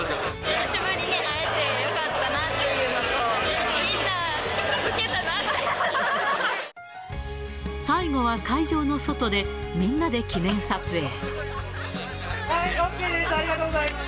久しぶりに会えてよかったなっていうのと、みんな、最後は会場の外で、みんなではい、ＯＫです。